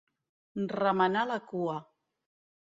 Remenar la cua.